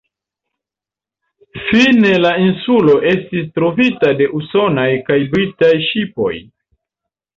Fine la insulo estis trovita de usonaj kaj britaj ŝipoj.